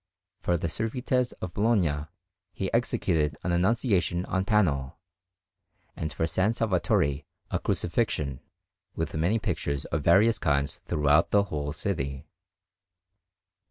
For the Servites of Bologna he executed an Annunciation on panel, and for S. Salvatore a Crucifixion, with many pictures of various kinds throughout the whole city.